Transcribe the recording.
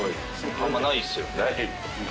あんまりないですよね。